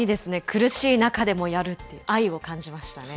苦しい中でもやるって、愛を感じましたね。